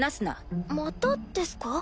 またですか？